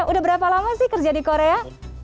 udah berapa lama sih kerja di korea